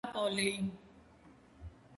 ნაპოლი